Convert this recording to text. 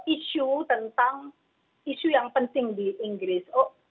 isu tentang isu yang penting di inggris